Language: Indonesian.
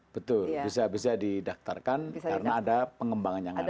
betul bisa bisa didaftarkan karena ada pengembangan yang ada